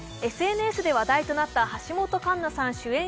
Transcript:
ＳＮＳで話題となった橋本環奈さん主演